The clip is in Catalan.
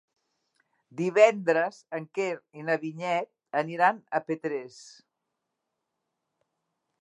Divendres en Quer i na Vinyet aniran a Petrés.